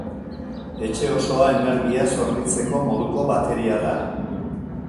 Etxe osoa energiaz hornitzeko moduko bateria da.